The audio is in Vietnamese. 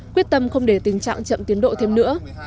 quyết tâm không để tình trạng chậm tiến độ thêm nữa